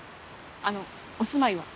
あのお住まいは？